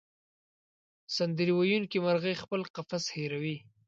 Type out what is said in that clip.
سندرې ویونکې مرغۍ خپل قفس هېروي.